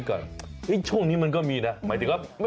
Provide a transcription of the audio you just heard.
อ้าวมีไหม